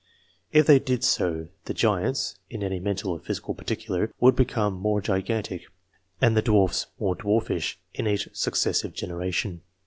If they did so, the giants (in any mental or physical par ticular) would become more gigantic, and the dwarfs more Iwarfish, in each successive generation.